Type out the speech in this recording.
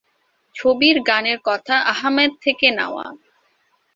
ছবির গানের কথা আহমেদ থেকে নেওয়া।